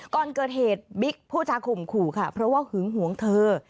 ก่อนเกิดเหตุบิ๊กผู้จาข่มขู่ค่ะเพราะว่าหึงหวงเธอ